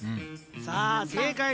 さあせいかい